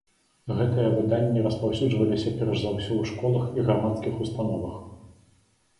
Гэтыя выданні распаўсюджваліся перш за ўсё ў школах і грамадскіх установах.